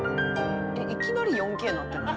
「いきなり４Ｋになってない？」